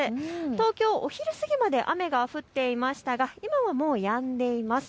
東京、お昼過ぎまで雨が降っていましたが今はもうやんでいます。